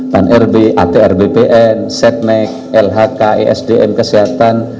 pan rb atr bpn setnek lhk esdm kesehatan